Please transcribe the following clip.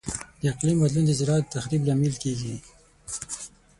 د اقلیم بدلون د زراعت د تخریب لامل کیږي.